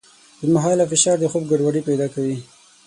اوږدمهاله فشار د خوب ګډوډۍ پیدا کوي.